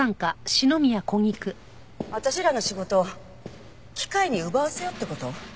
私らの仕事を機械に奪わせようって事？